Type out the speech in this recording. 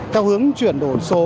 theo hướng chuyển đổi số